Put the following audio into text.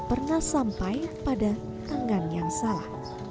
pernah sampai pada tangan yang salah